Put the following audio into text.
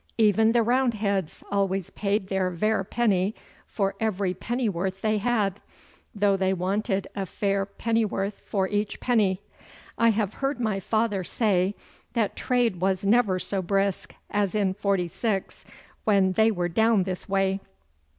'Even the Roundheads always paid their vair penny for every pennyworth they had, though they wanted a vair pennyworth for each penny. I have heard my father say that trade was never so brisk as in 'forty six, when they were down this way.